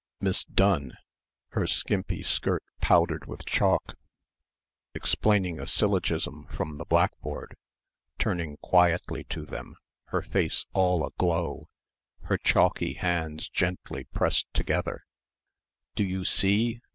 Miss Donne, her skimpy skirt powdered with chalk, explaining a syllogism from the blackboard, turning quietly to them, her face all aglow, her chalky hands gently pressed together, "Do you see?